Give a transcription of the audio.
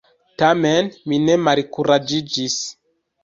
Tamen, mi ne malkuraĝiĝis.